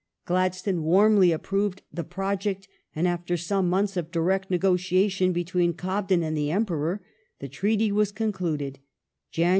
Gladstone warmly approved the project, and after some months of direct negotiation between Cobden and the Emperor, the treaty was concluded (Jan.